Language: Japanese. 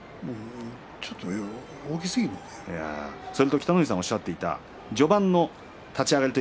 北の富士さんもおっしゃっていた序盤の立ち上がり